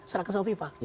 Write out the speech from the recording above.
serahkan sama fifa